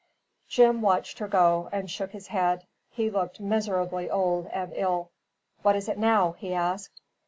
Jim watched her go and shook his head; he looked miserably old and ill. "What is it, now?" he asked.